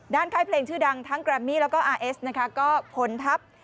ค่ายเพลงชื่อดังทั้งแกรมมี่แล้วก็อาร์เอสนะคะก็ผลทัพ